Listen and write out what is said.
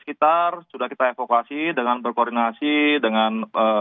kita evakuasi dengan berkoordinasi dengan